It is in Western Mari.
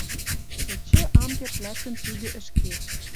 Эче ам керд лӓктӹн тӱгӹ ӹшке.